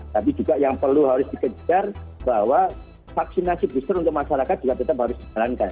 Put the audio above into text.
tapi juga yang perlu harus dikejar bahwa vaksinasi booster untuk masyarakat juga tetap harus dijalankan